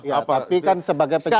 tapi kan sebagai penyelidikan